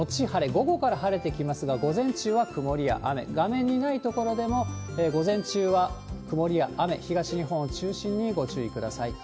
午後から晴れてきますが、午前中は曇りや雨、画面にない所でも午前中は曇りや雨、東日本を中心にご注意ください。